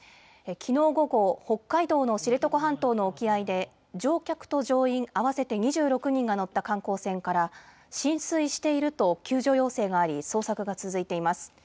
きのう午後、北海道の知床半島の沖合で乗客と乗員合わせて２６人が乗った観光船から浸水していると救助要請があり捜索が続いています。